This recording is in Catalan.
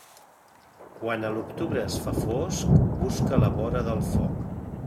Quan l'octubre es fa fosc, busca la vora del foc.